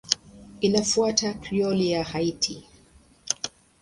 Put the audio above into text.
Inafuata Krioli ya Haiti.